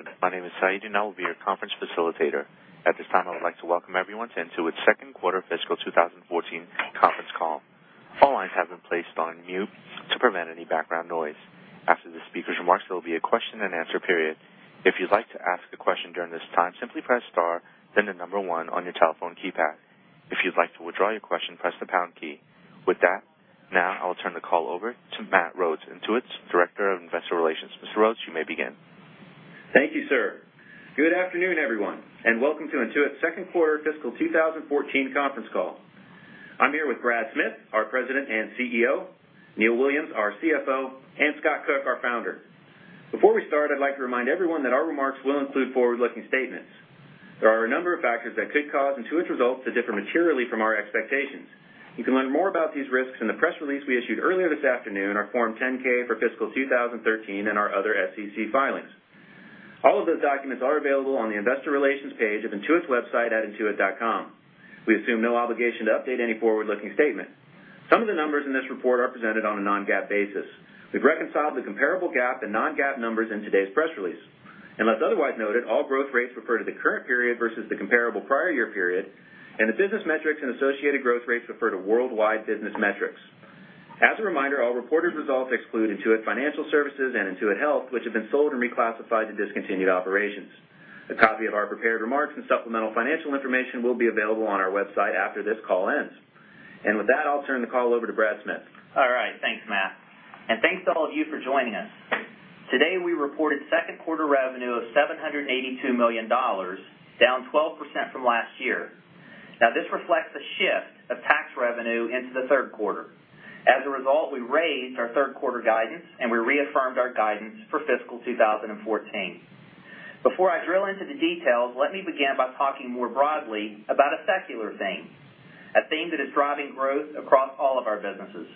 Good afternoon. My name is Sayid, and I will be your conference facilitator. At this time, I would like to welcome everyone to Intuit's second quarter fiscal 2014 conference call. All lines have been placed on mute to prevent any background noise. After the speakers' remarks, there will be a question and answer period. If you'd like to ask a question during this time, simply press star, then the number 1 on your telephone keypad. If you'd like to withdraw your question, press the pound key. With that, now I'll turn the call over to Matt Rhodes, Intuit's Director of Investor Relations. Mr. Rhodes, you may begin. Thank you, sir. Good afternoon, everyone, and welcome to Intuit's second quarter fiscal 2014 conference call. I'm here with Brad Smith, our President and CEO, Neil Williams, our CFO, and Scott Cook, our founder. Before we start, I'd like to remind everyone that our remarks will include forward-looking statements. There are a number of factors that could cause Intuit's results to differ materially from our expectations. You can learn more about these risks in the press release we issued earlier this afternoon, our Form 10-K for fiscal 2013, and our other SEC filings. All of those documents are available on the investor relations page of intuit.com. We assume no obligation to update any forward-looking statement. Some of the numbers in this report are presented on a non-GAAP basis. We've reconciled the comparable GAAP and non-GAAP numbers in today's press release. Unless otherwise noted, all growth rates refer to the current period versus the comparable prior year period, and the business metrics and associated growth rates refer to worldwide business metrics. As a reminder, all reported results exclude Intuit Financial Services and Intuit Health, which have been sold and reclassified to discontinued operations. A copy of our prepared remarks and supplemental financial information will be available on our website after this call ends. With that, I'll turn the call over to Brad Smith. All right. Thanks, Matt. Thanks to all of you for joining us. Today, we reported second quarter revenue of $782 million, down 12% from last year. This reflects a shift of tax revenue into the third quarter. As a result, we raised our third quarter guidance, we reaffirmed our guidance for fiscal 2014. Before I drill into the details, let me begin by talking more broadly about a secular theme, a theme that is driving growth across all of our businesses,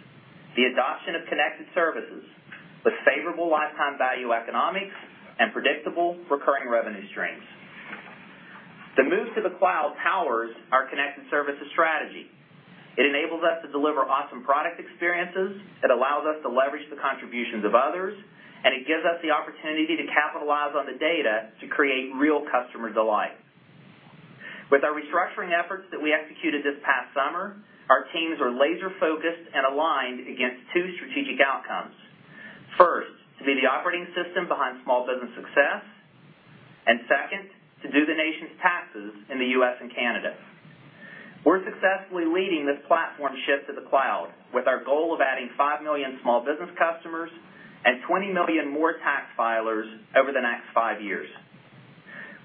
the adoption of connected services with favorable lifetime value economics and predictable recurring revenue streams. The move to the cloud powers our connected services strategy. It enables us to deliver awesome product experiences, it allows us to leverage the contributions of others, it gives us the opportunity to capitalize on the data to create real customer delight. With our restructuring efforts that we executed this past summer, our teams are laser-focused and aligned against two strategic outcomes. First, to be the operating system behind small business success, and second, to do the nation's taxes in the U.S. and Canada. We're successfully leading this platform shift to the cloud, with our goal of adding 5 million small business customers and 20 million more tax filers over the next 5 years.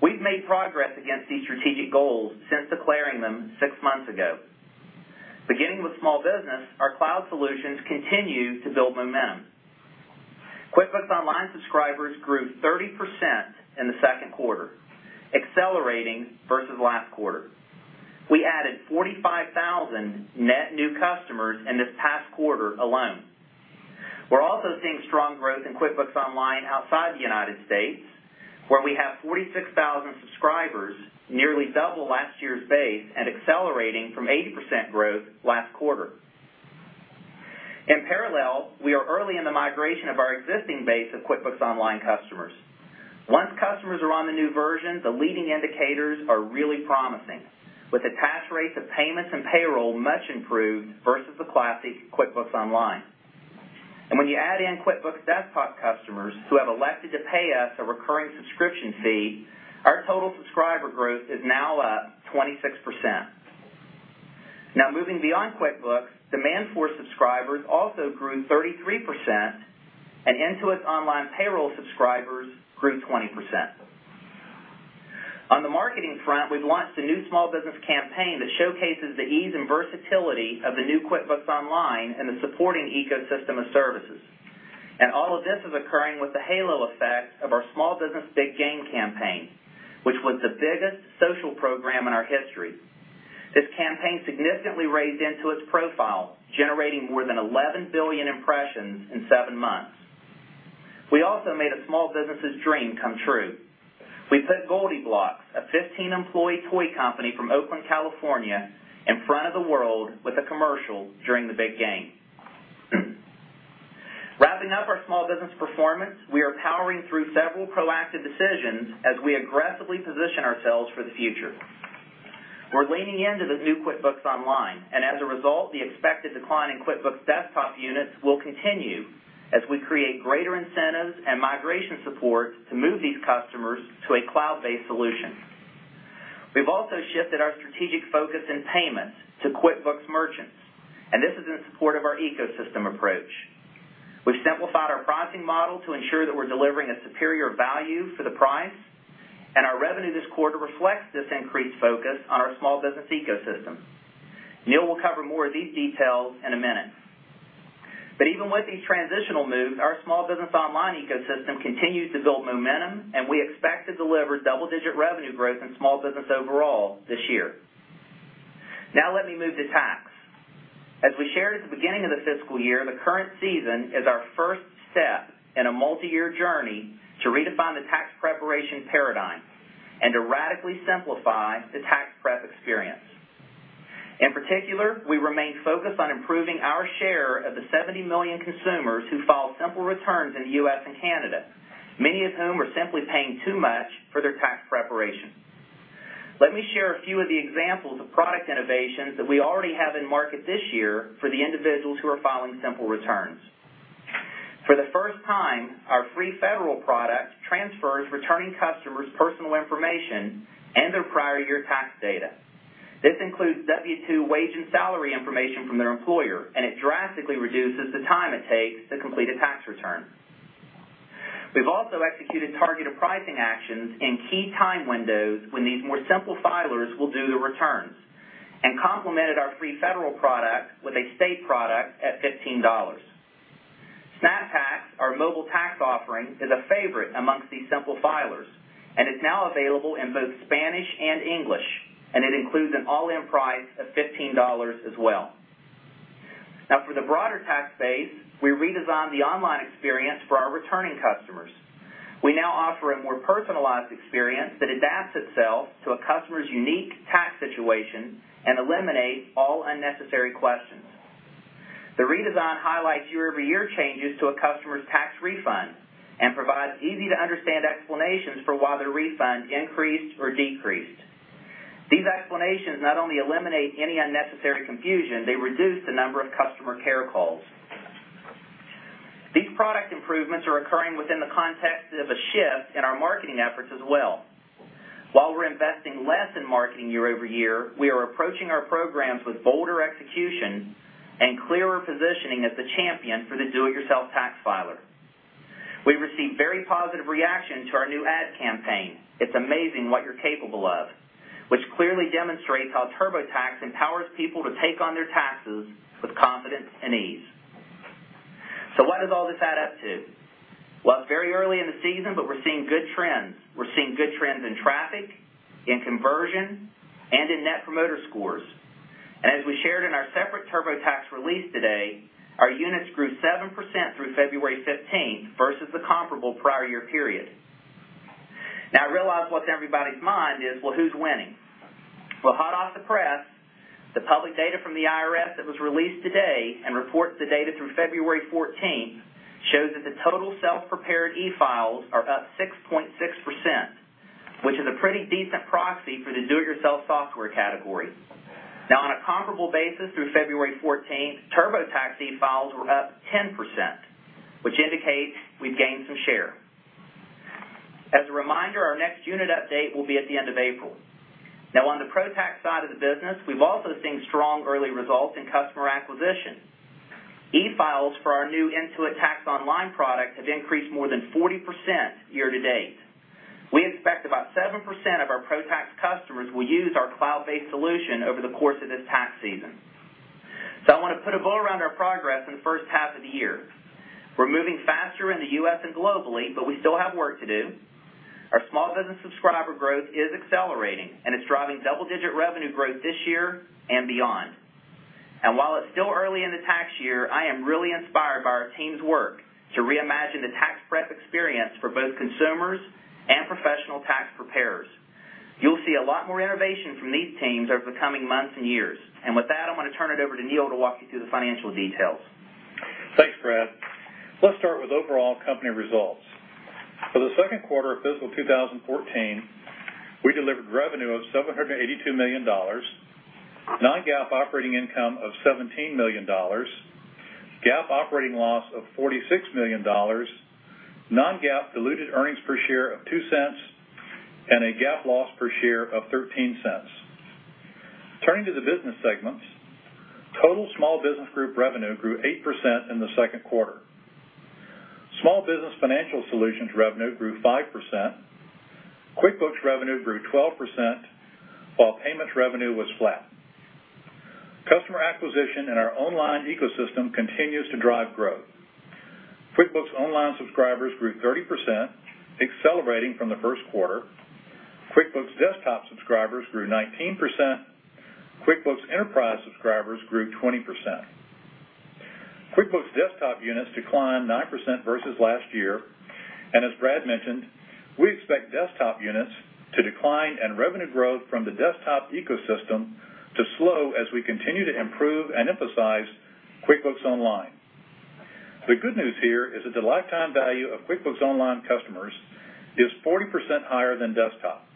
We've made progress against these strategic goals since declaring them 6 months ago. Beginning with small business, our cloud solutions continue to build momentum. QuickBooks Online subscribers grew 30% in the second quarter, accelerating versus last quarter. We added 45,000 net new customers in this past quarter alone. We're also seeing strong growth in QuickBooks Online outside the United States, where we have 46,000 subscribers, nearly double last year's base and accelerating from 80% growth last quarter. In parallel, we are early in the migration of our existing base of QuickBooks Online customers. Once customers are on the new version, the leading indicators are really promising, with attach rates of payments and payroll much improved versus the classic QuickBooks Online. When you add in QuickBooks Desktop customers who have elected to pay us a recurring subscription fee, our total subscriber growth is now up 26%. Moving beyond QuickBooks, Demandforce subscribers also grew 33%, and Intuit Online Payroll subscribers grew 20%. On the marketing front, we've launched a new small business campaign that showcases the ease and versatility of the new QuickBooks Online and the supporting ecosystem of services. All of this is occurring with the halo effect of our Small Business Big Game campaign, which was the biggest social program in our history. This campaign significantly raised Intuit's profile, generating more than 11 billion impressions in 7 months. We also made a small business's dream come true. We put GoldieBlox, a 15-employee toy company from Oakland, California, in front of the world with a commercial during the Big Game. Wrapping up our small business performance, we are powering through several proactive decisions as we aggressively position ourselves for the future. We're leaning into the new QuickBooks Online, and as a result, the expected decline in QuickBooks Desktop units will continue as we create greater incentives and migration support to move these customers to a cloud-based solution. We've also shifted our strategic focus in payments to QuickBooks Merchants, and this is in support of our ecosystem approach. We've simplified our pricing model to ensure that we're delivering a superior value for the price. Our revenue this quarter reflects this increased focus on our small business ecosystem. Neil will cover more of these details in a minute. Even with these transitional moves, our small business online ecosystem continues to build momentum, and we expect to deliver double-digit revenue growth in small business overall this year. Let me move to tax. As we shared at the beginning of the fiscal year, the current season is our first step in a multi-year journey to redefine the tax preparation paradigm and to radically simplify the tax prep experience. In particular, we remain focused on improving our share of the 70 million consumers who file simple returns in the U.S. and Canada, many of whom are simply paying too much for their tax preparation. Let me share a few of the examples of product innovations that we already have in market this year for the individuals who are filing simple returns. For the first time, our free federal product transfers returning customers' personal information and their prior year tax data. This includes W-2 wage and salary information from their employer, and it drastically reduces the time it takes to complete a tax return. We've also executed targeted pricing actions in key time windows when these more simple filers will do the returns and complemented our free federal product with a state product at $15. SnapTax, our mobile tax offering, is a favorite amongst these simple filers, and it's now available in both Spanish and English, and it includes an all-in price of $15 as well. For the broader tax base, we redesigned the online experience for our returning customers. We now offer a more personalized experience that adapts itself to a customer's unique tax situation and eliminates all unnecessary questions. The redesign highlights year-over-year changes to a customer's tax refund and provides easy-to-understand explanations for why their refund increased or decreased. These explanations not only eliminate any unnecessary confusion, they reduce the number of customer care calls. These product improvements are occurring within the context of a shift in our marketing efforts as well. While we're investing less in marketing year-over-year, we are approaching our programs with bolder execution and clearer positioning as a champion for the do-it-yourself tax filer. We've received very positive reaction to our new ad campaign, "It's Amazing What You're Capable Of," which clearly demonstrates how TurboTax empowers people to take on their taxes with confidence and ease. What does all this add up to? Well, it's very early in the season, but we're seeing good trends. We're seeing good trends in traffic, in conversion, and in Net Promoter Scores. As we shared in our separate TurboTax release today, our units grew 7% through February 15th versus the comparable prior year period. I realize what's on everybody's mind is, "Well, who's winning?" Well, hot off the press, the public data from the IRS that was released today and reports the data through February 14th shows that the total self-prepared e-files are up 6.6%, which is a pretty decent proxy for the do-it-yourself software category. On a comparable basis, through February 14th, TurboTax e-files were up 10%, which indicates we've gained some share. As a reminder, our next unit update will be at the end of April. On the ProTax side of the business, we've also seen strong early results in customer acquisition. E-files for our new ProConnect Tax Online product have increased more than 40% year-to-date. We expect about 7% of our ProTax customers will use our cloud-based solution over the course of this tax season. I want to put a bow around our progress in the first half of the year. We're moving faster in the U.S. and globally, but we still have work to do. Our small business subscriber growth is accelerating, and it's driving double-digit revenue growth this year and beyond. While it's still early in the tax year, I am really inspired by our team's work to reimagine the tax prep experience for both consumers and professional tax preparers. You'll see a lot more innovation from these teams over the coming months and years. With that, I'm going to turn it over to Neil to walk you through the financial details. Thanks, Brad. Let's start with overall company results. For the second quarter of FY 2014, we delivered revenue of $782 million, non-GAAP operating income of $17 million, GAAP operating loss of $46 million, non-GAAP diluted earnings per share of $0.02, and a GAAP loss per share of $0.13. Turning to the business segments, total Small Business group revenue grew 8% in the second quarter. Small Business Financial Solutions revenue grew 5%, QuickBooks revenue grew 12%, while payments revenue was flat. Customer acquisition in our online ecosystem continues to drive growth. QuickBooks Online subscribers grew 30%, accelerating from the first quarter. QuickBooks Desktop subscribers grew 19%. QuickBooks Enterprise subscribers grew 20%. QuickBooks Desktop units declined 9% versus last year, and as Brad mentioned, we expect Desktop units to decline and revenue growth from the Desktop ecosystem to slow as we continue to improve and emphasize QuickBooks Online. The good news here is that the lifetime value of QuickBooks Online customers is 40% higher than Desktop.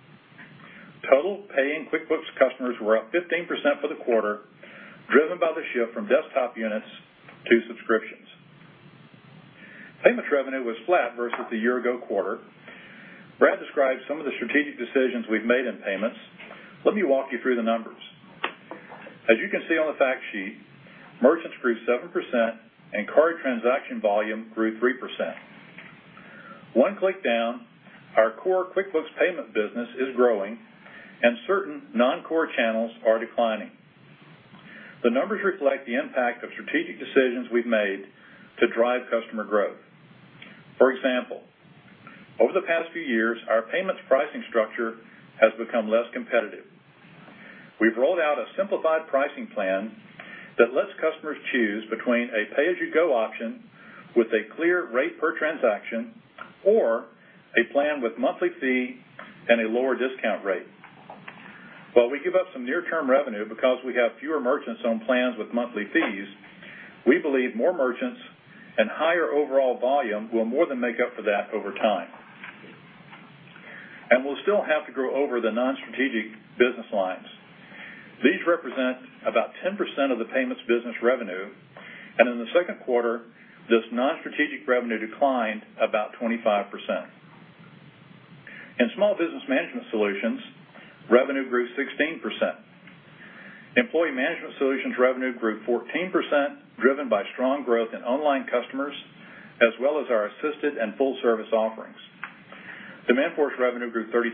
Total paying QuickBooks customers were up 15% for the quarter, driven by the shift from Desktop units to subscriptions. Payments revenue was flat versus the year ago quarter. Brad described some of the strategic decisions we've made in payments. Let me walk you through the numbers. As you can see on the fact sheet, merchants grew 7% and card transaction volume grew 3%. One click down, our core QuickBooks payment business is growing, and certain non-core channels are declining. The numbers reflect the impact of strategic decisions we've made to drive customer growth. For example, over the past few years, our payments pricing structure has become less competitive. We've rolled out a simplified pricing plan that lets customers choose between a pay-as-you-go option with a clear rate per transaction or a plan with monthly fee and a lower discount rate. While we give up some near-term revenue because we have fewer merchants on plans with monthly fees, we believe more merchants and higher overall volume will more than make up for that over time. We'll still have to grow over the non-strategic business lines. These represent about 10% of the payments business revenue, and in the second quarter, this non-strategic revenue declined about 25%. In Small Business Management Solutions, revenue grew 16%. Employee Management Solutions revenue grew 14%, driven by strong growth in online customers, as well as our assisted and full-service offerings. Demandforce revenue grew 32%.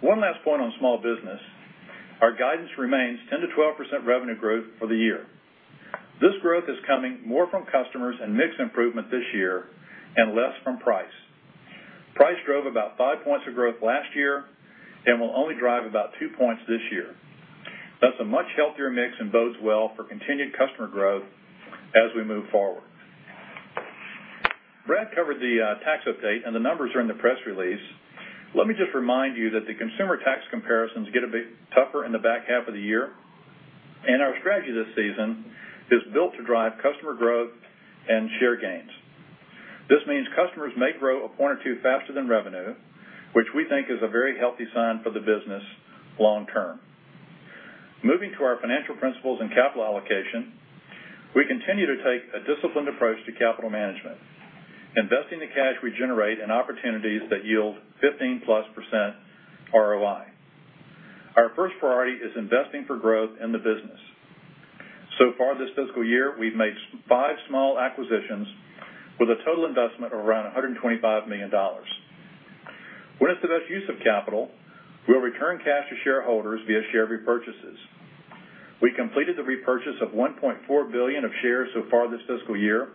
One last point on Small Business, our guidance remains 10%-12% revenue growth for the year. This growth is coming more from customers and mix improvement this year and less from price. Price drove about five points of growth last year and will only drive about two points this year. That's a much healthier mix and bodes well for continued customer growth as we move forward. Brad covered the tax update, and the numbers are in the press release. Let me just remind you that the consumer tax comparisons get a bit tougher in the back half of the year, and our strategy this season is built to drive customer growth and share gains. This means customers may grow a point or two faster than revenue, which we think is a very healthy sign for the business long-term. Moving to our financial principles and capital allocation, we continue to take a disciplined approach to capital management, investing the cash we generate in opportunities that yield 15%+ ROI. Our first priority is investing for growth in the business. So far this fiscal year, we've made five small acquisitions with a total investment of around $125 million. When it's the best use of capital, we'll return cash to shareholders via share repurchases. We completed the repurchase of $1.4 billion of shares so far this fiscal year,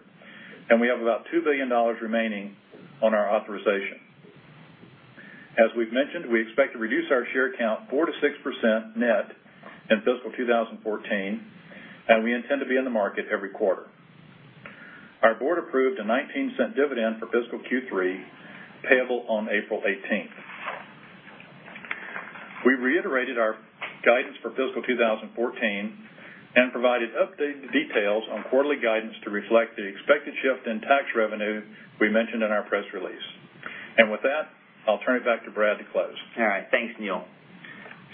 and we have about $2 billion remaining on our authorization. As we've mentioned, we expect to reduce our share count 4%-6% net in fiscal 2014, and we intend to be in the market every quarter. Our board approved a $0.19 dividend for fiscal Q3, payable on April 18th. We reiterated our guidance for fiscal 2014 and provided updated details on quarterly guidance to reflect the expected shift in tax revenue we mentioned in our press release. With that, I'll turn it back to Brad to close. All right. Thanks, Neil.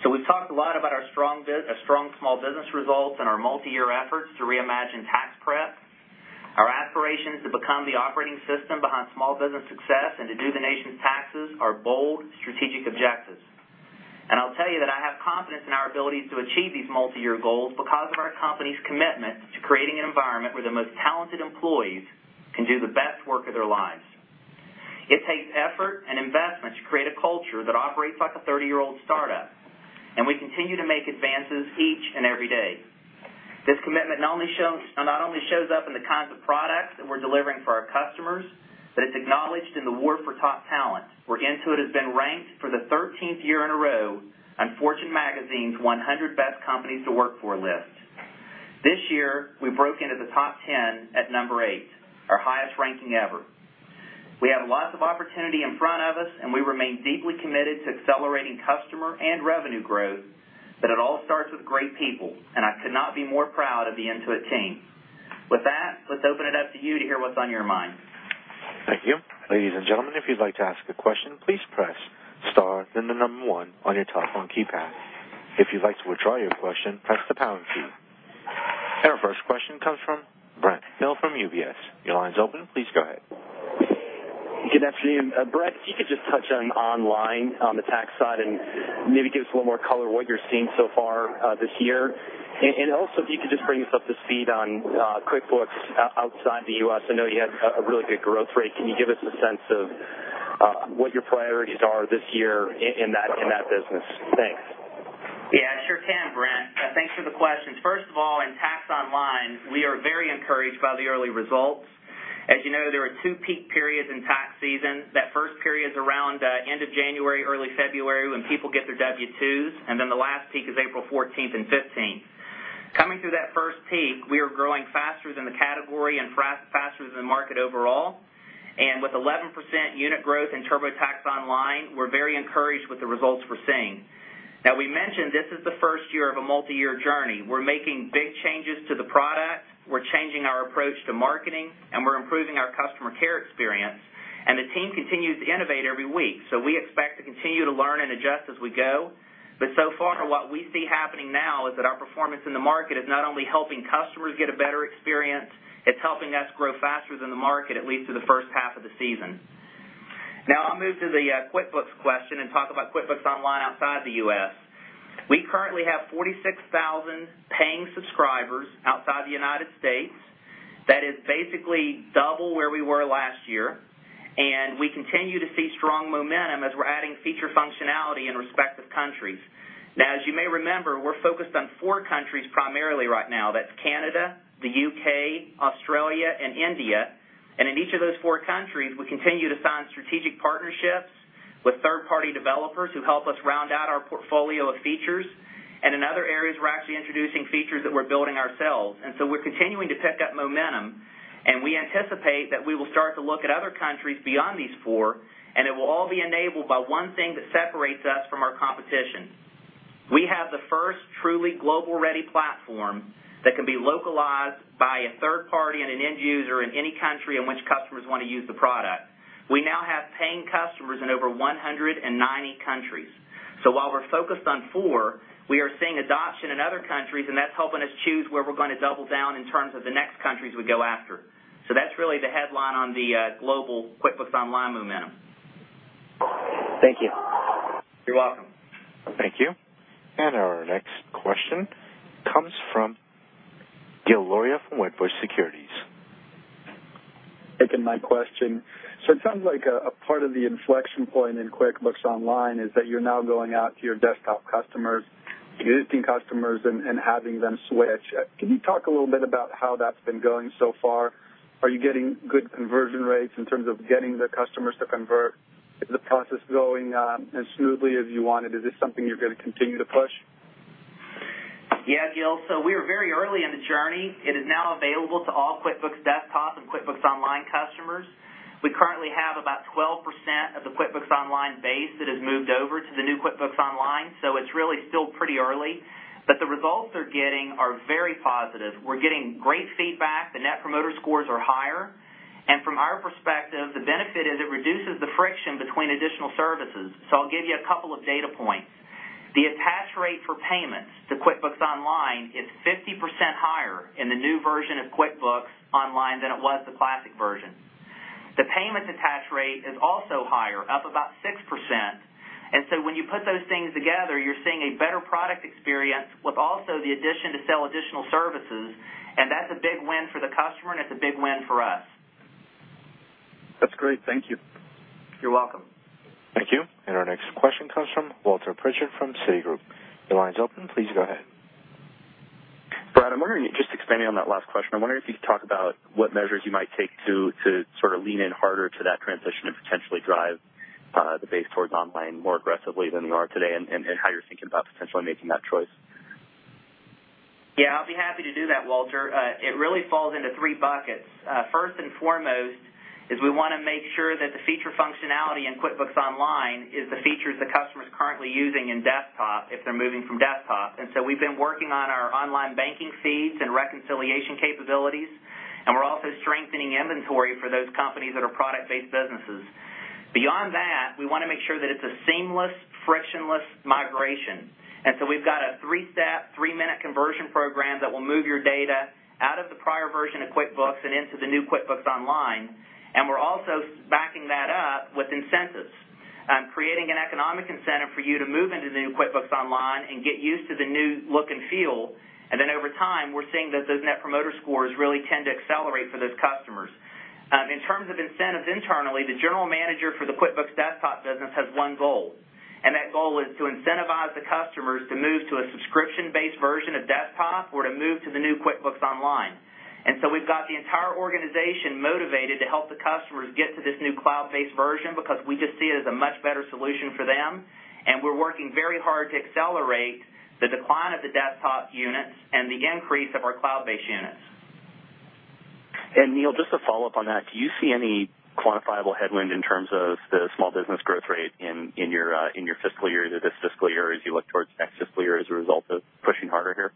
We've talked a lot about our strong Small Business results and our multi-year efforts to reimagine tax prep. Our aspirations to become the operating system behind Small Business success and to do the nation's taxes are bold, strategic objectives. I'll tell you that I have confidence in our ability to achieve these multi-year goals because of our company's commitment to creating an environment where the most talented employees can do the best work of their lives. It takes effort and investment to create a culture that operates like a 30-year-old startup, and we continue to make advances each and every day. This commitment not only shows up in the kinds of products that we're delivering for our customers, but it's acknowledged in the war for top talent, where Intuit has been ranked for the 13th year in a row on Fortune Magazine's 100 Best Companies to Work For list. This year, we broke into the top 10 at number eight, our highest ranking ever. We have lots of opportunity in front of us, and we remain deeply committed to accelerating customer and revenue growth, but it all starts with great people, and I could not be more proud of the Intuit team. With that, let's open it up to you to hear what's on your mind. Thank you. Ladies and gentlemen, if you'd like to ask a question, please press star, then the number one on your telephone keypad. If you'd like to withdraw your question, press the pound key. Our first question comes from Brent Thill from UBS. Your line's open. Please go ahead. Good afternoon. Brad, if you could just touch on online on the tax side and maybe give us a little more color what you're seeing so far this year. Also, if you could just bring us up to speed on QuickBooks outside the U.S. I know you have a really good growth rate. Can you give us a sense of what your priorities are this year in that business? Thanks. Yeah, sure can, Brent. Thanks for the questions. First of all, in tax online, we are very encouraged by the early results. As you know, there are two peak periods in tax season. That first period's around end of January, early February, when people get their W-2s, and then the last peak is April 14th and 15th. Coming through that first peak, we are growing faster than the category and faster than the market overall. With 11% unit growth in TurboTax Online, we're very encouraged with the results we're seeing. Now, we mentioned this is the first year of a multi-year journey. We're making big changes to the product, we're changing our approach to marketing, and we're improving our customer care experience, and the team continues to innovate every week. We expect to continue to learn and adjust as we go. So far, what we see happening now is that our performance in the market is not only helping customers get a better experience, it's helping us grow faster than the market, at least through the first half of the season. I'll move to the QuickBooks question and talk about QuickBooks Online outside the U.S. We currently have 46,000 paying subscribers outside the United States. That is basically double where we were last year, and we continue to see strong momentum as we're adding feature functionality in respective countries. As you may remember, we're focused on four countries primarily right now. That's Canada, the U.K., Australia, and India. In each of those four countries, we continue to sign strategic partnerships with third-party developers who help us round out our portfolio of features. In other areas, we're actually introducing features that we're building ourselves. We're continuing to pick up momentum, and we anticipate that we will start to look at other countries beyond these four. It will all be enabled by one thing that separates us from our competition. We have the first truly global-ready platform that can be localized by a third party and an end user in any country in which customers want to use the product. We now have paying customers in over 190 countries. While we're focused on four, we are seeing adoption in other countries, and that's helping us choose where we're going to double down in terms of the next countries we go after. That's really the headline on the global QuickBooks Online momentum. Thank you. You're welcome. Thank you. Our next question comes from Gil Luria from Wedbush Securities. Taking my question. It sounds like a part of the inflection point in QuickBooks Online is that you're now going out to your desktop customers, existing customers, and having them switch. Can you talk a little bit about how that's been going so far? Are you getting good conversion rates in terms of getting the customers to convert? Is the process going as smoothly as you wanted? Is this something you're going to continue to push? Yeah, Gil. We are very early in the journey. It is now available to all QuickBooks Desktop and QuickBooks Online customers. We currently have about 12% of the QuickBooks Online base that has moved over to the new QuickBooks Online, so it's really still pretty early. The results they're getting are very positive. We're getting great feedback. The Net Promoter Score are higher. From our perspective, the benefit is it reduces the friction between additional services. I'll give you a couple of data points. The attach rate for payments to QuickBooks Online is 50% higher in the new version of QuickBooks Online than it was the classic version. The payment attach rate is also higher, up about 6%. When you put those things together, you're seeing a better product experience with also the addition to sell additional services, and that's a big win for the customer, and it's a big win for us. That's great. Thank you. You're welcome. Thank you. Our next question comes from Walter Pritchard from Citigroup. Your line's open. Please go ahead. Brad, just expanding on that last question, I wonder if you could talk about what measures you might take to sort of lean in harder to that transition and potentially drive the base towards online more aggressively than you are today, and how you're thinking about potentially making that choice. Yeah, I'll be happy to do that, Walter. It really falls into three buckets. First and foremost is we want to make sure that the feature functionality in QuickBooks Online is the features the customer's currently using in Desktop, if they're moving from Desktop. We've been working on our online banking feeds and reconciliation capabilities, and we're also strengthening inventory for those companies that are product-based businesses. Beyond that, we want to make sure that it's a seamless, frictionless migration. We've got a three-step, three-minute conversion program that will move your data out of the prior version of QuickBooks and into the new QuickBooks Online. We're also backing that up with incentives. Creating an economic incentive for you to move into the new QuickBooks Online and get used to the new look and feel. Over time, we're seeing that those Net Promoter Score really tend to accelerate for those customers. In terms of incentives internally, the general manager for the QuickBooks Desktop business has one goal, and that goal is to incentivize the customers to move to a subscription-based version of Desktop or to move to the new QuickBooks Online. We've got the entire organization motivated to help the customers get to this new cloud-based version because we just see it as a much better solution for them. We're working very hard to accelerate the decline of the Desktop units and the increase of our cloud-based units. Neil, just to follow up on that, do you see any quantifiable headwind in terms of the small business growth rate in your fiscal year to this fiscal year as you look towards next fiscal year as a result of pushing harder here?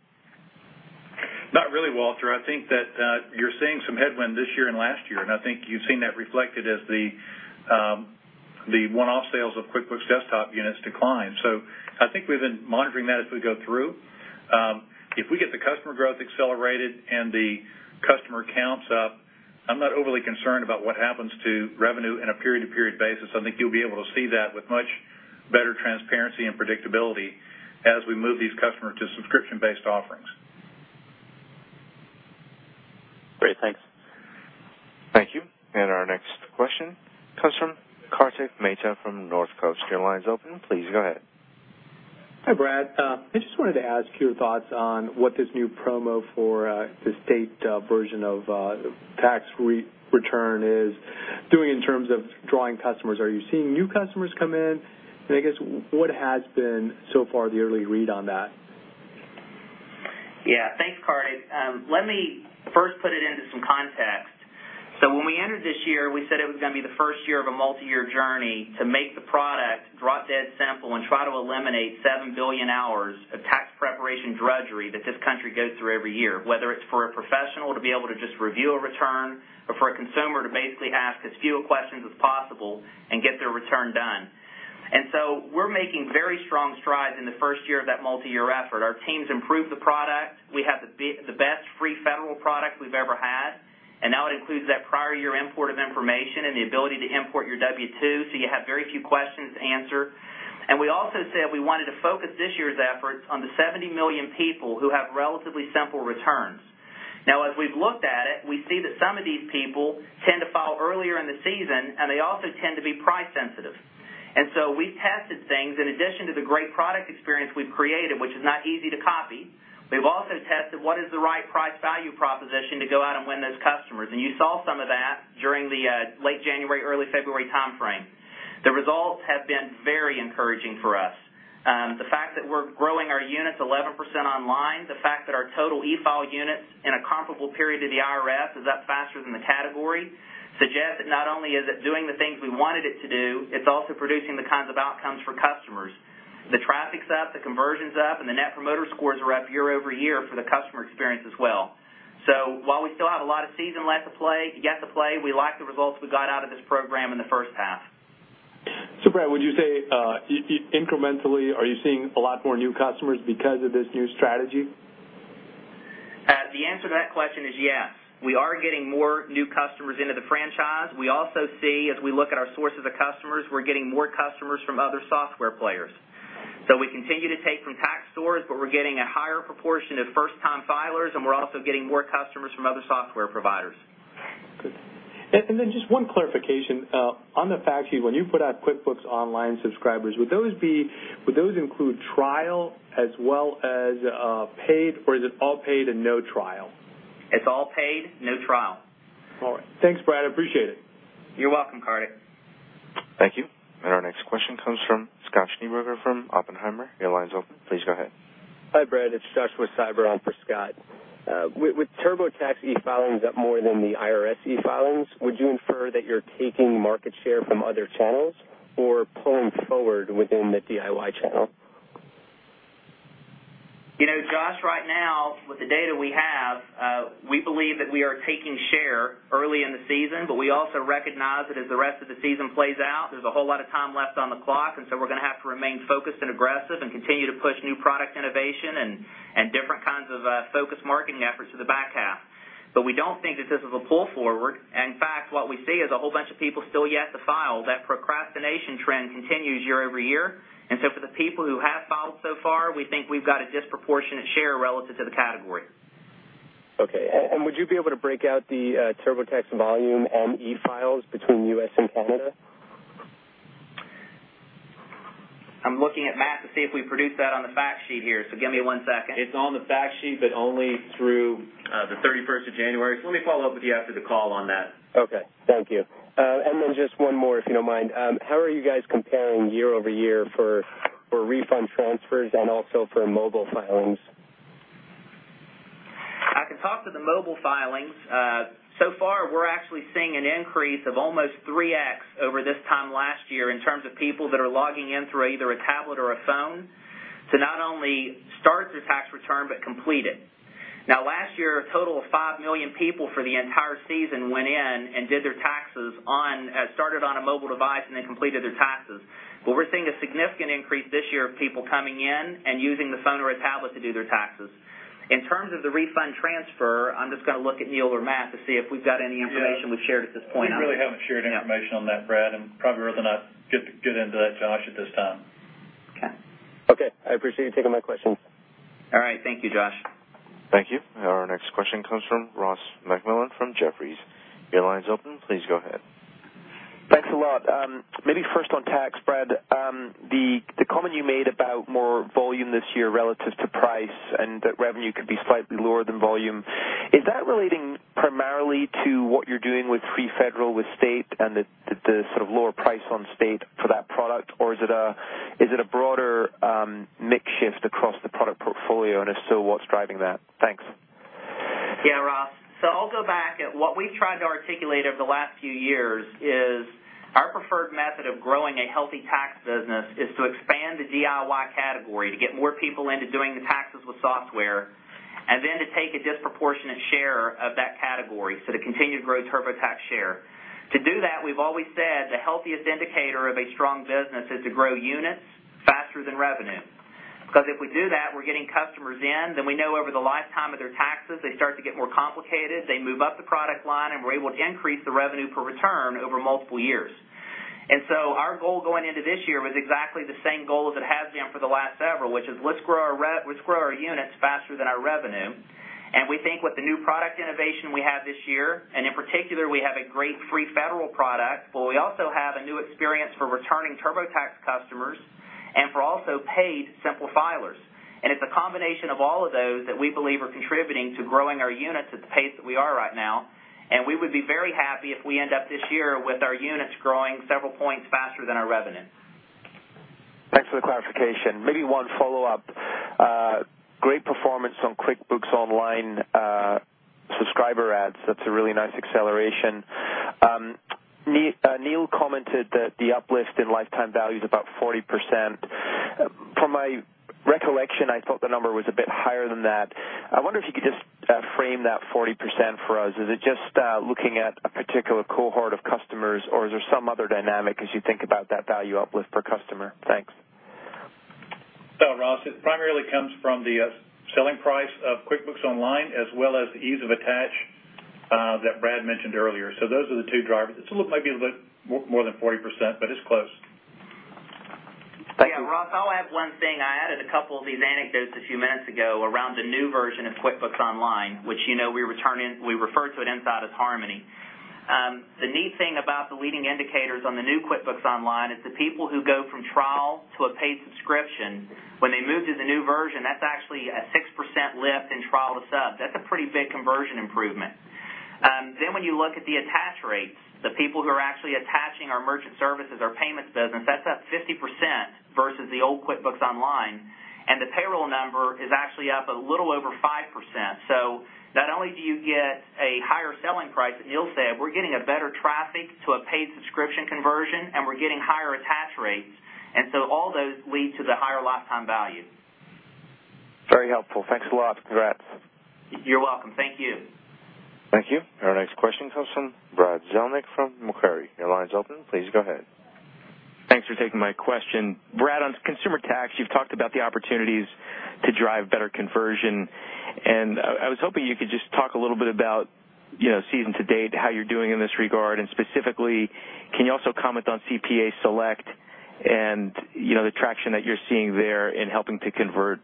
Not really, Walter. I think that you're seeing some headwind this year and last year, and I think you've seen that reflected as the one-off sales of QuickBooks Desktop units decline. I think we've been monitoring that as we go through. If we get the customer growth accelerated and the customer counts up, I'm not overly concerned about what happens to revenue on a period-to-period basis. I think you'll be able to see that with much better transparency and predictability as we move these customers to subscription-based offerings. Great. Thanks. Thank you. Our next question comes from Kartik Mehta from Northcoast Research. Your line's open. Please go ahead. Hi, Brad. I just wanted to ask your thoughts on what this new promo for the state version of tax return is doing in terms of drawing customers. Are you seeing new customers come in? I guess, what has been, so far, the early read on that? Yeah. Thanks, Kartik. Let me first put it into some context. When we entered this year, we said it was going to be the first year of a multi-year journey to make the product drop-dead simple and try to eliminate 7 billion hours of tax preparation drudgery that this country goes through every year, whether it's for a professional to be able to just review a return or for a consumer to basically ask as few questions as possible and get their return done. We're making very strong strides in the first year of that multi-year effort. Our teams improved the product. We have the best free federal product we've ever had, and now it includes that prior year import of information and the ability to import your W-2, so you have very few questions to answer. We also said we wanted to focus this year's efforts on the 70 million people who have relatively simple returns. As we've looked at it, we see that some of these people tend to file earlier in the season, and they also tend to be price sensitive. We've tested things in addition to the great product experience we've created, which is not easy to copy. We've also tested what is the right price value proposition to go out and win those customers, and you saw some of that during the late January, early February timeframe. The results have been very encouraging for us. The fact that we're growing our units 11% online, the fact that our total e-file units in a comparable period to the IRS is up faster than the category, suggests that not only is it doing the things we wanted it to do, it's also producing the kinds of outcomes for customers. The traffic's up, the conversion's up, and the Net Promoter Score are up year-over-year for the customer experience as well. While we still have a lot of season yet to play, we like the results we got out of this program in the first half. Brad, would you say, incrementally, are you seeing a lot more new customers because of this new strategy? The answer to that question is yes. We are getting more new customers into the franchise. We also see, as we look at our sources of customers, we're getting more customers from other software players. We continue to take from tax stores, but we're getting a higher proportion of first-time filers, and we're also getting more customers from other software providers. Good. Then just one clarification. On the fact sheet, when you put out QuickBooks Online subscribers, would those include trial as well as paid, or is it all paid and no trial? It's all paid, no trial. All right. Thanks, Brad. I appreciate it. You're welcome, Kartik. Thank you. Our next question comes from Scott Schneeberger from Oppenheimer. Your line's open. Please go ahead. Hi, Brad. It's Josh with KeyBanc. On for Scott. With TurboTax e-filings up more than the IRS e-filings, would you infer that you're taking market share from other channels or pulling forward within the DIY channel? Josh, right now, with the data we have, we believe that we are taking share early in the season, but we also recognize that as the rest of the season plays out, there's a whole lot of time left on the clock, so we're going to have to remain focused and aggressive and continue to push new product innovation and different kinds of focus marketing efforts for the back half. We don't think that this is a pull forward. In fact, what we see is a whole bunch of people still yet to file. That procrastination trend continues year-over-year. So for the people who have filed so far, we think we've got a disproportionate share relative to the category. Okay. Would you be able to break out the TurboTax volume and e-file between U.S. and Canada? I'm looking at Matt to see if we produced that on the fact sheet here, give me one second. It's on the fact sheet, but only through the 31st of January. Let me follow up with you after the call on that. Okay. Thank you. Just one more, if you don't mind. How are you guys comparing year-over-year for refund transfers and also for mobile filings? I can talk to the mobile filings. Far, we're actually seeing an increase of almost 3x over this time last year in terms of people that are logging in through either a tablet or a phone to not only start their tax return but complete it. Now, last year, a total of five million people for the entire season went in and did their taxes, started on a mobile device, and then completed their taxes. We're seeing a significant increase this year of people coming in and using the phone or a tablet to do their taxes. In terms of the refund transfer, I'm just going to look at Neil or Matt to see if we've got any information we've shared at this point. We really haven't shared information on that, Brad, and probably rather not get into that, Josh, at this time. Okay. I appreciate you taking my questions. All right. Thank you, Josh. Thank you. Our next question comes from Ross MacMillan from Jefferies. Your line's open. Please go ahead. Thanks a lot. Maybe first on tax, Brad, the comment you made about more volume this year relative to price and that revenue could be slightly lower than volume, is that relating primarily to what you're doing with free federal with state and the sort of lower price on state for that product, or is it a broader mix shift across the product portfolio? If so, what's driving that? Thanks. Yeah, Ross. I'll go back at what we've tried to articulate over the last few years is our preferred method of growing a healthy tax business is to expand the DIY category to get more people into doing the taxes with software, then to take a disproportionate share of that category, to continue to grow TurboTax share. To do that, we've always said the healthiest indicator of a strong business is to grow units faster than revenue. If we do that, we're getting customers in, then we know over the lifetime of their taxes, they start to get more complicated, they move up the product line, and we're able to increase the revenue per return over multiple years. Our goal going into this year was exactly the same goal as it has been for the last several, which is let's grow our units faster than our revenue. We think with the new product innovation we have this year, and in particular, we have a great free federal product, but we also have a new experience for returning TurboTax customers and for also paid simple filers. It's a combination of all of those that we believe are contributing to growing our units at the pace that we are right now. We would be very happy if we end up this year with our units growing several points faster than our revenue. Thanks for the clarification. Maybe one follow-up. Great performance from QuickBooks Online subscriber adds. That's a really nice acceleration. Neil commented that the uplift in lifetime value is about 40%. From my recollection, I thought the number was a bit higher than that. I wonder if you could just frame that 40% for us. Is it just looking at a particular cohort of customers, or is there some other dynamic as you think about that value uplift per customer? Thanks. Ross, it primarily comes from the selling price of QuickBooks Online, as well as the ease of attach that Brad mentioned earlier. Those are the two drivers. It might be a bit more than 40%, but it's close. Thank you. Ross, I'll add one thing. I added a couple of these anecdotes a few minutes ago around the new version of QuickBooks Online, which we refer to it inside as Harmony. The neat thing about the leading indicators on the new QuickBooks Online is the people who go from trial to a paid subscription, when they move to the new version, that's actually a 6% lift in trial to sub. That's a pretty big conversion improvement. When you look at the attach rates, the people who are actually attaching our merchant services, our payments business, that's up 50% versus the old QuickBooks Online, and the payroll number is actually up a little over 5%. Not only do you get a higher selling price, but Neil said we're getting a better traffic to a paid subscription conversion, and we're getting higher attach rates, and so all those lead to the higher lifetime value. Very helpful. Thanks a lot. Congrats. You're welcome. Thank you. Thank you. Our next question comes from Brad Zelnick from Macquarie. Your line's open. Please go ahead. Thanks for taking my question. Brad, on consumer tax, you've talked about the opportunities to drive better conversion. I was hoping you could just talk a little bit about season to date, how you're doing in this regard. Specifically, can you also comment on CPA Select and the traction that you're seeing there in helping to convert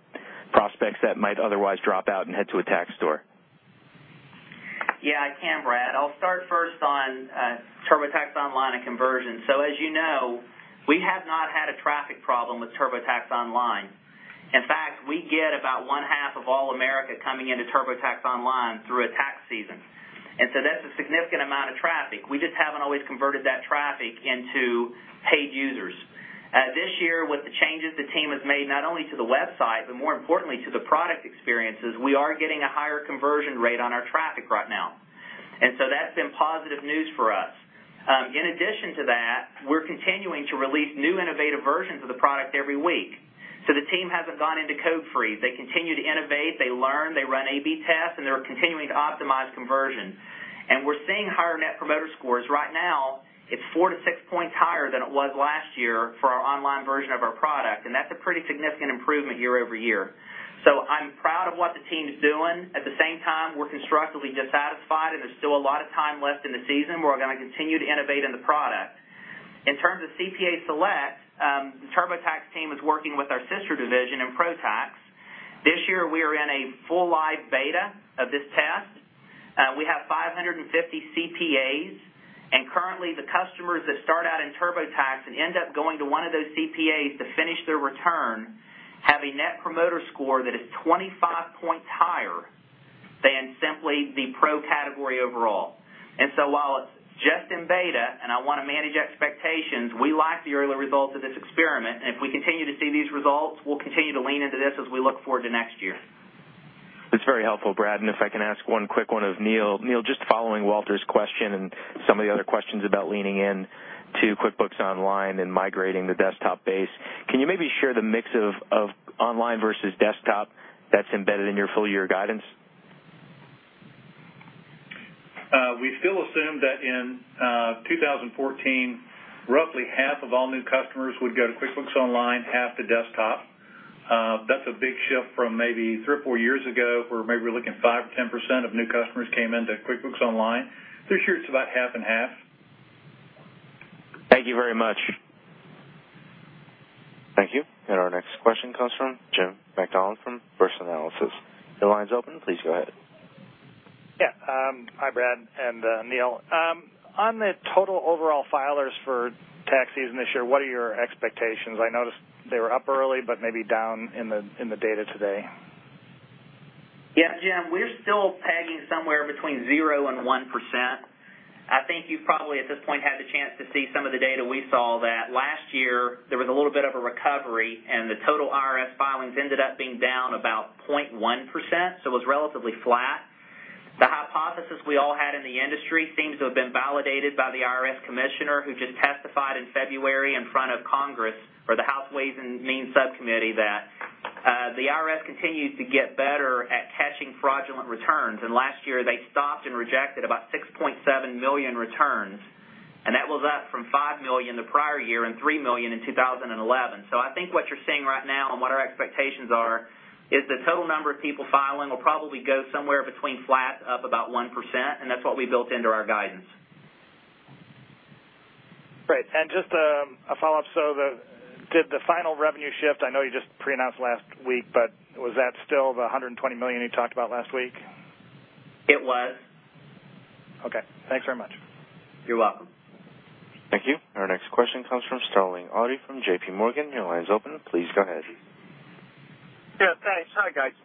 prospects that might otherwise drop out and head to a tax store? Yeah, I can, Brad. I'll start first on TurboTax Online and conversion. As you know, we have not had a traffic problem with TurboTax Online. In fact, we get about one half of all America coming into TurboTax Online through a tax season, that's a significant amount of traffic. We just haven't always converted that traffic into paid users. This year, with the changes the team has made, not only to the website, but more importantly to the product experiences, we are getting a higher conversion rate on our traffic right now, that's been positive news for us. In addition to that, we're continuing to release new innovative versions of the product every week. The team hasn't gone into code freeze. They continue to innovate, they learn, they run A/B tests, and they're continuing to optimize conversion. We're seeing higher Net Promoter Scores. Right now, it's four to six points higher than it was last year for our online version of our product, that's a pretty significant improvement year-over-year. I'm proud of what the team is doing. At the same time, we're constructively dissatisfied, there's still a lot of time left in the season. We're going to continue to innovate in the product. In terms of CPA Select, the TurboTax team is working with our sister division in ProTax. This year, we are in a full live beta of this test. We have 550 CPAs, currently, the customers that start out in TurboTax and end up going to one of those CPAs to finish their return have a Net Promoter Score that is 25 points higher than simply the pro category overall. While it's just in beta and I want to manage expectations, we like the early results of this experiment, if we continue to see these results, we'll continue to lean into this as we look forward to next year. That's very helpful, Brad. If I can ask one quick one of Neil. Neil, just following Walter's question and some of the other questions about leaning into QuickBooks Online and migrating the desktop base, can you maybe share the mix of online versus desktop that's embedded in your full-year guidance? We still assume that in 2014, roughly half of all new customers would go to QuickBooks Online, half to desktop. That's a big shift from maybe three or four years ago, where maybe we're looking at 5%-10% of new customers came into QuickBooks Online. This year it's about half and half. Thank you very much. Thank you. Our next question comes from Jim Macdonald from First Analysis. Your line's open. Please go ahead. Yeah. Hi, Brad and Neil. On the total overall filers for tax season this year, what are your expectations? I noticed they were up early, maybe down in the data today. Yeah, Jim, we're still pegging somewhere between 0% and 1%. I think you've probably, at this point, had the chance to see some of the data we saw that last year, there was a little bit of a recovery, and the total IRS filings ended up being down about 0.1%, so it was relatively flat. The hypothesis we all had in the industry seems to have been validated by the IRS commissioner, who just testified in February in front of Congress, or the House Ways and Means Subcommittee, that the IRS continues to get better at catching fraudulent returns. Last year, they stopped and rejected about 6.7 million returns, and that was up from 5 million the prior year and 3 million in 2011. I think what you're seeing right now and what our expectations are is the total number of people filing will probably go somewhere between flat up about 1%, and that's what we built into our guidance. Great. Just a follow-up, did the final revenue shift, I know you just pre-announced last week, but was that still the $120 million you talked about last week? It was. Okay. Thanks very much. You're welcome. Thank you. Our next question comes from Sterling Auty from J.P. Morgan. Your line is open. Please go ahead. Yeah, thanks. Hi, guys.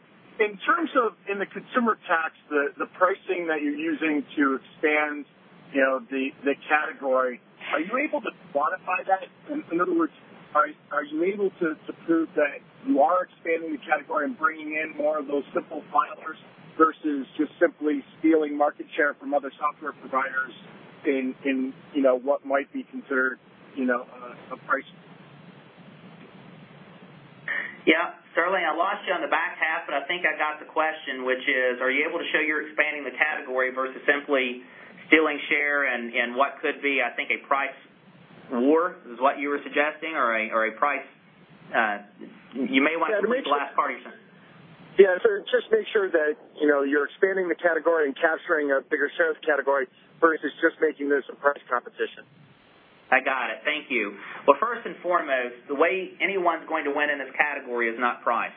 In terms of in the consumer tax, the pricing that you're using to expand the category, are you able to quantify that? In other words, are you able to prove that you are expanding the category and bringing in more of those simple filers versus just simply stealing market share from other software providers in what might be considered a price war? Yeah. Sterling, I lost you on the back half, but I think I got the question, which is, are you able to show you're expanding the category versus simply stealing share in what could be, I think, a price war, is what you were suggesting. You may want to put your last part in, sir. Yeah. Just make sure that you're expanding the category and capturing a bigger share of the category versus just making this a price competition. I got it. Thank you. Well, first and foremost, the way anyone's going to win in this category is not price,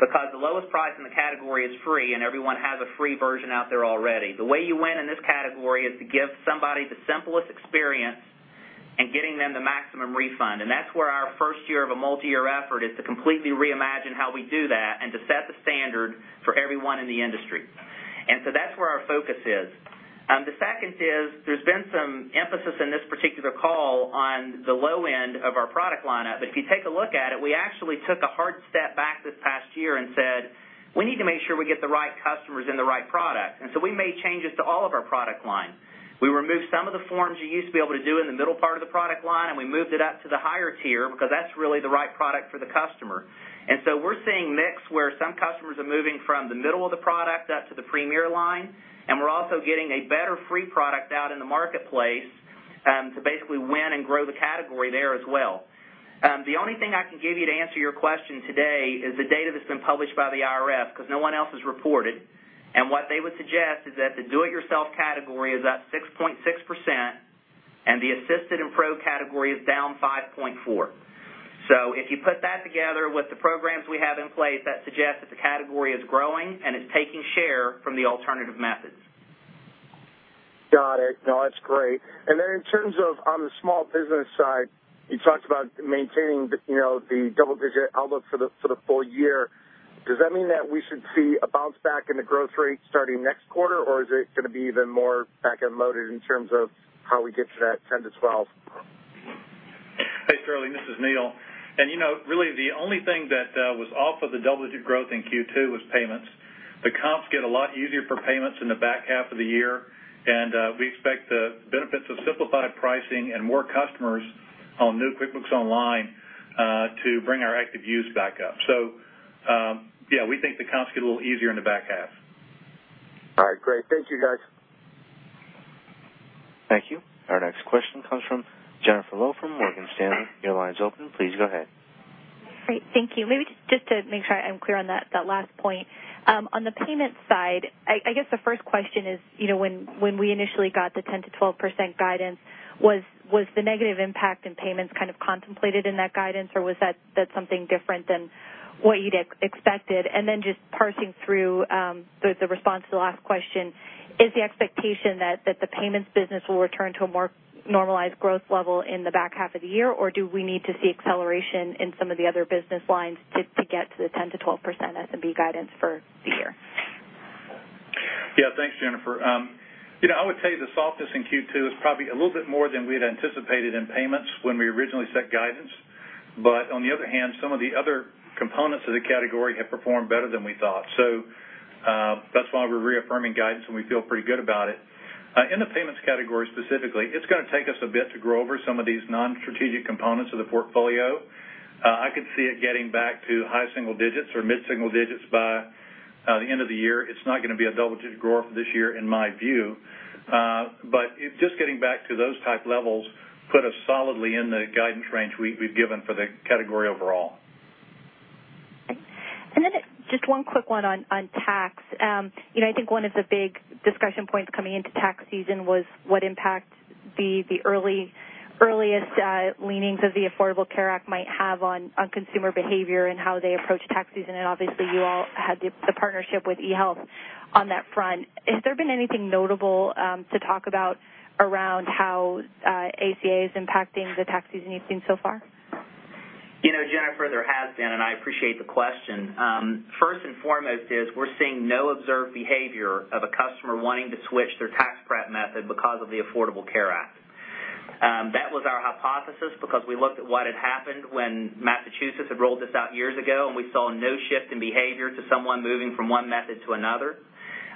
because the lowest price in the category is free, and everyone has a free version out there already. The way you win in this category is to give somebody the simplest experience in getting them the maximum refund. That's where our first year of a multi-year effort is to completely reimagine how we do that and to set the standard for everyone in the industry. That's where our focus is. The second is, there's been some emphasis in this particular call on the low end of our product lineup, but if you take a look at it, we actually took a hard step back this past year and said, "We need to make sure we get the right customers in the right product." We made changes to all of our product line. We removed some of the forms you used to be able to do in the middle part of the product line, and we moved it up to the higher tier because that's really the right product for the customer. We're seeing mix where some customers are moving from the middle of the product up to the Premier line, and we're also getting a better free product out in the marketplace, to basically win and grow the category there as well. The only thing I can give you to answer your question today is the data that's been published by the IRS, because no one else has reported. What they would suggest is that the do-it-yourself category is up 6.6%, and the assisted and pro category is down 5.4%. If you put that together with the programs we have in place, that suggests that the category is growing and is taking share from the alternative methods. Got it. No, that's great. In terms of on the small business side, you talked about maintaining the double-digit outlook for the full year. Does that mean that we should see a bounce back in the growth rate starting next quarter, or is it going to be even more back-end loaded in terms of how we get to that 10%-12%? Hey, Sterling, this is Neil. Really, the only thing that was off of the double-digit growth in Q2 was payments. The comps get a lot easier for payments in the back half of the year, and we expect the benefits of simplified pricing and more customers on new QuickBooks Online to bring our active use back up. Yeah, we think the comps get a little easier in the back half. All right, great. Thank you, guys. Thank you. Our next question comes from Jennifer Lowe from Morgan Stanley. Your line's open. Please go ahead. Great. Thank you. Maybe just to make sure I'm clear on that last point. On the payments side, I guess the first question is, when we initially got the 10%-12% guidance, was the negative impact in payments kind of contemplated in that guidance, or was that something different than what you'd expected? Just parsing through the response to the last question, is the expectation that the payments business will return to a more normalized growth level in the back half of the year, or do we need to see acceleration in some of the other business lines to get to the 10%-12% SMB guidance for the year? Yeah. Thanks, Jennifer. I would say the softness in Q2 is probably a little bit more than we had anticipated in payments when we originally set guidance. On the other hand, some of the other components of the category have performed better than we thought. That's why we're reaffirming guidance, and we feel pretty good about it. In the payments category specifically, it's going to take us a bit to grow over some of these non-strategic components of the portfolio. I could see it getting back to high single digits or mid-single digits by the end of the year. It's not going to be a double-digit grower for this year in my view. Just getting back to those type levels put us solidly in the guidance range we've given for the category overall. Just one quick one on tax. I think one of the big discussion points coming into tax season was what impact the earliest leanings of the Affordable Care Act might have on consumer behavior and how they approach tax season, and obviously you all had the partnership with eHealth on that front. Has there been anything notable to talk about around how ACA is impacting the tax season you've seen so far? Jennifer, I appreciate the question. First and foremost is we're seeing no observed behavior of a customer wanting to switch their tax prep method because of the Affordable Care Act. That was our hypothesis because we looked at what had happened when Massachusetts had rolled this out years ago, and we saw no shift in behavior to someone moving from one method to another.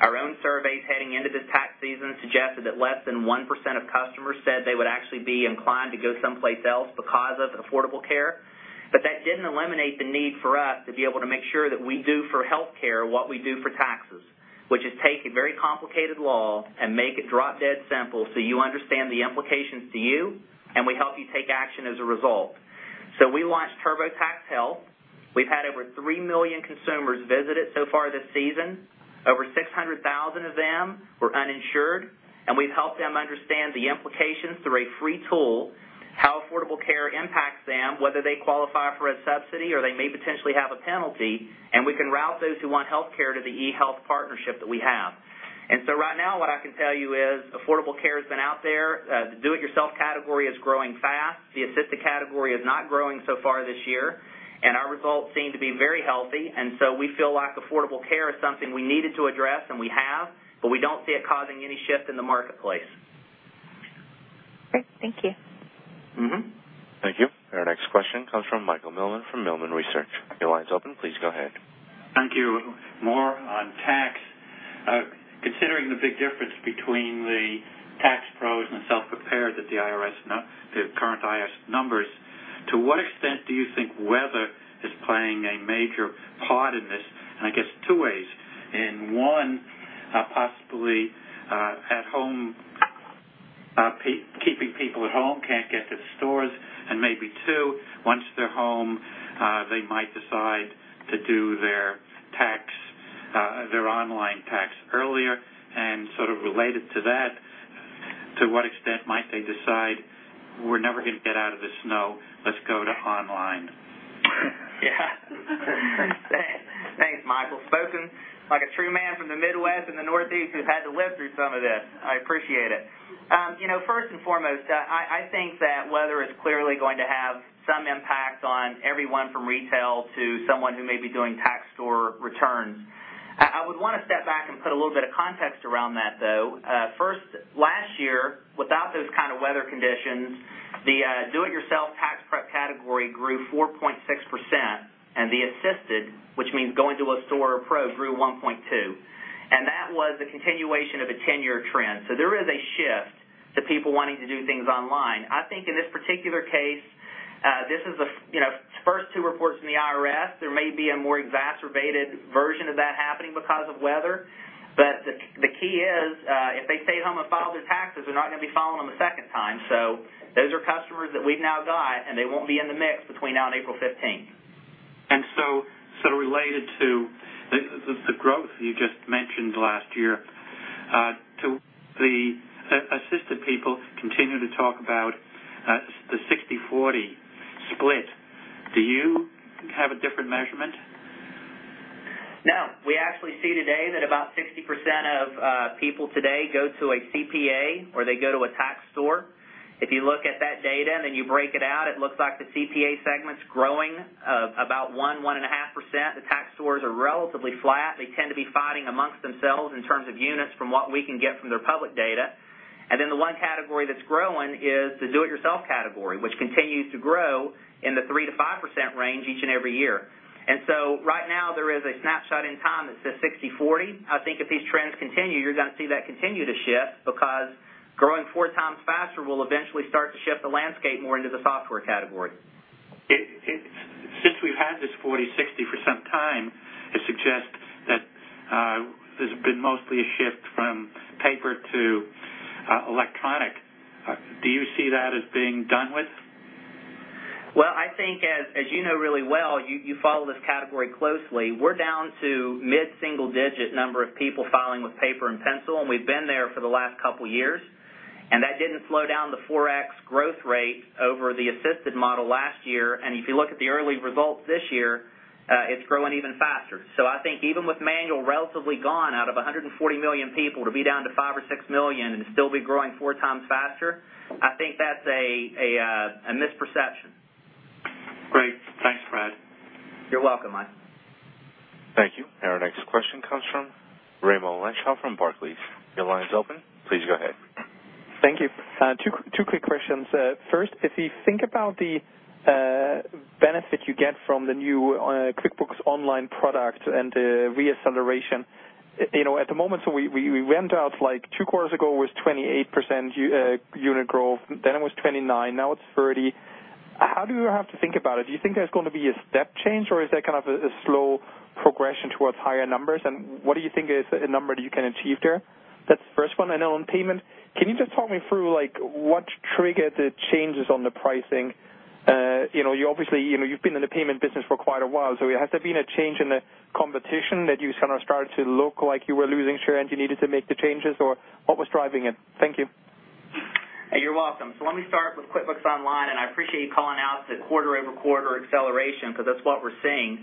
Our own surveys heading into this tax season suggested that less than 1% of customers said they would actually be inclined to go someplace else because of Affordable Care, that didn't eliminate the need for us to be able to make sure that we do for healthcare what we do for taxes, which is take a very complicated law and make it drop-dead simple so you understand the implications to you, and we help you take action as a result. We launched TurboTax Health. We've had over 3 million consumers visit it so far this season. Over 600,000 of them were uninsured, we've helped them understand the implications through a free tool, how Affordable Care impacts them, whether they qualify for a subsidy or they may potentially have a penalty, and we can route those who want healthcare to the eHealth partnership that we have. Right now, what I can tell you is Affordable Care's been out there. The do-it-yourself category is growing fast. The assisted category is not growing so far this year, our results seem to be very healthy, we feel like Affordable Care is something we needed to address, and we have, we don't see it causing any shift in the marketplace. Great. Thank you. Thank you. Our next question comes from Michael Millman from Millman Research. Your line's open. Please go ahead. Thank you. More on tax. Considering the big difference between the tax pros and the self-prepared at the current IRS numbers, to what extent do you think weather is playing a major part in this? I guess two ways. In one, possibly keeping people at home, can't get to stores, maybe two, once they're home, they might decide to do their online tax earlier, sort of related to that, to what extent might they decide we're never going to get out of the snow, let's go to online? Yeah. Thanks, Michael. Spoken like a true man from the Midwest and the Northeast who's had to live through some of this. I appreciate it. First and foremost, I think that weather is clearly going to have some impact on everyone from retail to someone who may be doing tax store returns. I would want to step back and put a little bit of context around that, though. First, last year, without those kind of weather conditions, the do it yourself tax prep category grew 4.6%, The assisted, which means going to a store or pro, grew 1.2%, That was the continuation of a 10-year trend. There is a shift to people wanting to do things online. I think in this particular case, this is the first two reports from the IRS. There may be a more exacerbated version of that happening because of weather. The key is, if they stay home and file their taxes, they're not going to be filing them a second time. Those are customers that we've now got, and they won't be in the mix between now and April 15th. Sort of related to the growth you just mentioned last year, to the assisted people continue to talk about the 60/40 split. Do you have a different measurement? No. We actually see today that about 60% of people today go to a CPA or they go to a tax store. If you look at that data, you break it out, it looks like the CPA segment's growing about 1%, 1.5%. The tax stores are relatively flat. They tend to be fighting amongst themselves in terms of units from what we can get from their public data. The one category that's growing is the do it yourself category, which continues to grow in the 3%-5% range each and every year. Right now there is a snapshot in time that says 60/40. I think if these trends continue, you're going to see that continue to shift because growing 4 times faster will eventually start to shift the landscape more into the software category. Since we've had this 40/60 for some time, it suggests that there's been mostly a shift from paper to electronic. Do you see that as being done with? Well, I think as you know really well, you follow this category closely, we're down to mid-single digit number of people filing with paper and pencil, and we've been there for the last couple of years, and that didn't slow down the 4x growth rate over the assisted model last year. If you look at the early results this year, it's growing even faster. I think even with manual relatively gone, out of 140 million people to be down to five or six million and still be growing 4 times faster, I think that's a misperception. Great. Thanks, Brad. You're welcome, Mike. Thank you. Our next question comes from Raimo Lenschow from Barclays. Your line is open. Please go ahead. Thank you. Two quick questions. First, if you think about the benefit you get from the new QuickBooks Online product and the re-acceleration, at the moment, we went out like two quarters ago, it was 28% unit growth, then it was 29%, now it's 30%. How do you have to think about it? Do you think there's going to be a step change, or is that kind of a slow progression towards higher numbers? What do you think is a number that you can achieve there? That's the first one. Then on payment, can you just talk me through what triggered the changes on the pricing? You've been in the payment business for quite a while, has there been a change in the competition that you kind of started to look like you were losing share and you needed to make the changes, or what was driving it? Thank you. You're welcome. Let me start with QuickBooks Online, and I appreciate you calling out the quarter-over-quarter acceleration because that's what we're seeing.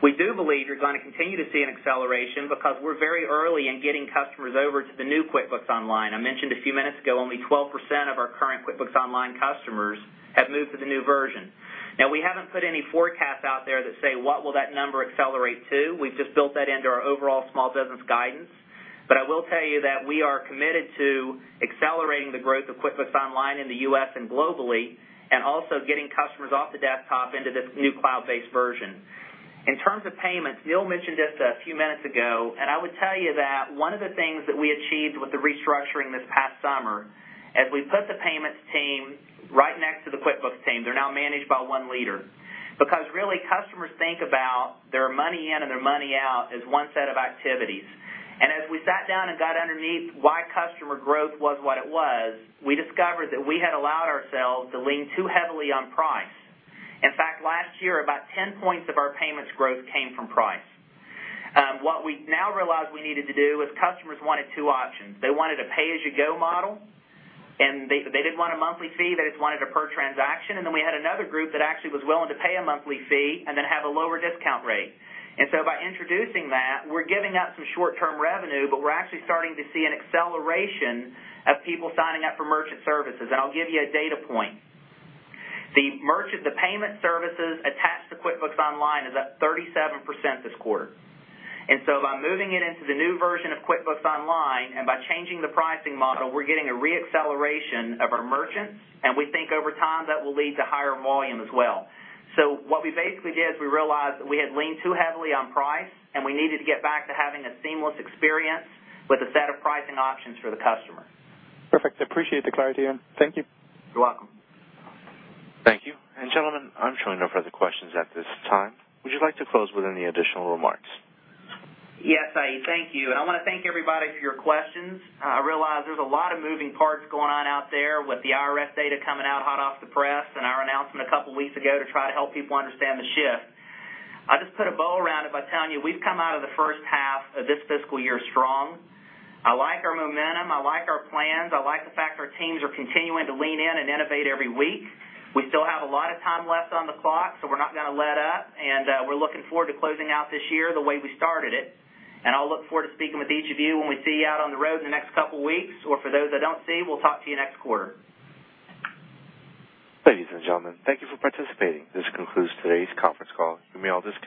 We do believe you're going to continue to see an acceleration because we're very early in getting customers over to the new QuickBooks Online. I mentioned a few minutes ago, only 12% of our current QuickBooks Online customers have moved to the new version. We haven't put any forecasts out there that say what will that number accelerate to. We've just built that into our overall small business guidance. I will tell you that we are committed to accelerating the growth of QuickBooks Online in the U.S. and globally, and also getting customers off the desktop into this new cloud-based version. In terms of payments, Neil mentioned this a few minutes ago, I would tell you that one of the things that we achieved with the restructuring this past summer, as we put the payments team right next to the QuickBooks team, they're now managed by one leader. Really, customers think about their money in and their money out as one set of activities. As we sat down and got underneath why customer growth was what it was, we discovered that we had allowed ourselves to lean too heavily on price. In fact, last year, about 10 points of our payments growth came from price. What we now realized we needed to do is customers wanted two options. They wanted a pay-as-you-go model, they didn't want a monthly fee, they just wanted a per transaction, then we had another group that actually was willing to pay a monthly fee and then have a lower discount rate. By introducing that, we're giving up some short-term revenue, we're actually starting to see an acceleration of people signing up for merchant services. I'll give you a data point. The payment services attached to QuickBooks Online is up 37% this quarter. By moving it into the new version of QuickBooks Online and by changing the pricing model, we're getting a re-acceleration of our merchants, and we think over time that will lead to higher volume as well. What we basically did is we realized we had leaned too heavily on price, we needed to get back to having a seamless experience with a set of pricing options for the customer. Perfect. I appreciate the clarity and thank you. You're welcome. Thank you. Gentlemen, I'm showing no further questions at this time. Would you like to close with any additional remarks? Yes, I thank you. I want to thank everybody for your questions. I realize there's a lot of moving parts going on out there with the IRS data coming out hot off the press and our announcement a couple of weeks ago to try to help people understand the shift. I'll just put a bow around it by telling you we've come out of the first half of this fiscal year strong. I like our momentum. I like our plans. I like the fact our teams are continuing to lean in and innovate every week. We still have a lot of time left on the clock. We're not going to let up. We're looking forward to closing out this year the way we started it. I'll look forward to speaking with each of you when we see you out on the road in the next couple of weeks, or for those I don't see, we'll talk to you next quarter. Ladies and gentlemen, thank you for participating. This concludes today's conference call. You may all disconnect.